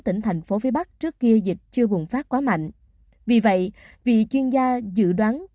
tỉnh thành phố phía bắc trước kia dịch chưa bùng phát quá mạnh vì vậy vì chuyên gia dự đoán